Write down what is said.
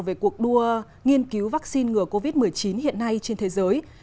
về cuộc đua nghiên cứu vaccine ngừa covid một mươi chín hiện nay trên thế giới